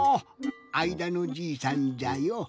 あいだのじいさんじゃよ。